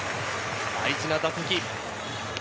大事な打席。